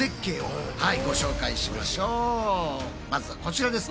まずはこちらです。